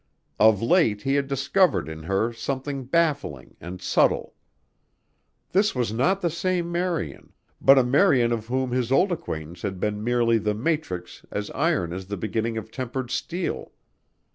Of late he had discovered in her something baffling and subtle. This was not the same Marian but a Marian of whom his old acquaintance had been merely the matrix as iron is the beginning of tempered steel.